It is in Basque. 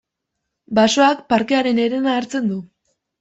Basoak parkearen herena hartzen du.